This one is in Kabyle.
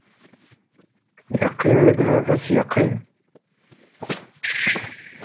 Yeqqim-d baba-s yeqqim.